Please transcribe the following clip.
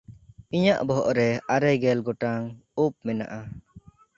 ᱤᱧᱟᱜ ᱵᱚᱦᱚᱜ ᱨᱮ ᱟᱨᱮ ᱜᱮᱞ ᱜᱚᱴᱟᱝ ᱩᱵ ᱢᱮᱱᱟᱜᱼᱟ᱾